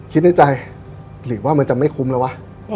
คิดในใจหรือว่ามันจะไม่คุ้มแล้ววะ